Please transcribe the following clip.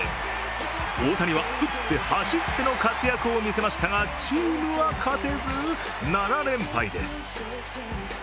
大谷は打って走っての活躍を見せましたが、チームは勝てず、７連敗です。